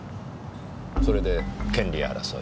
それで権利争い。